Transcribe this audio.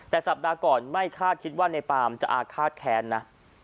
แต่สัปดาห์ก่อนไม่คาดคิดว่าในปามจะอาฆาตแค้นนะ